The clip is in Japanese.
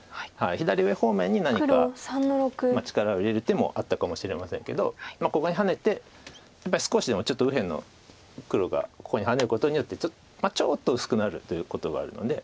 左上方面に何か力を入れる手もあったかもしれませんけどここにハネてやっぱり少しでもちょっと右辺の黒がここにハネることによってちょっと薄くなるということがあるので。